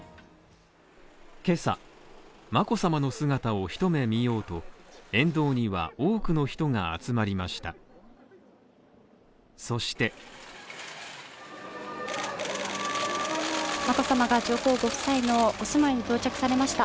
今朝、眞子さまの姿を一目見ようと沿道には多くの人が集まりました。